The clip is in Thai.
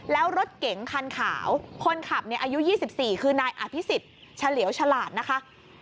แล้วรถเก๋งคันขาวคนขับอายุ๒๔คือนายอภิษฎเฉลี่ยวฉลาดนะคะ